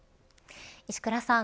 石倉さん